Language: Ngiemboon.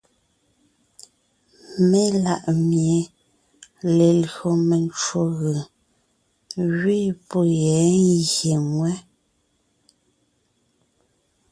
Mela ʼmie lelÿò mencwò gʉ̀ gẅiin pɔ́ yɛ́ ngyè ŋwɛ́.